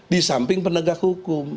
di samping penegak hukum